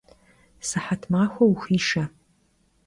Sıhet maxue vuxuişşe!